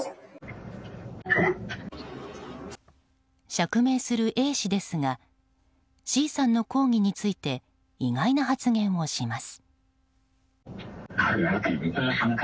釈明するＡ氏ですがＣさんの抗議について意外な発言をします。